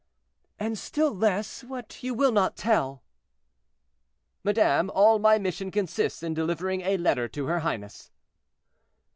"And still less what you will not tell." "Madame, all my mission consists in delivering a letter to her highness."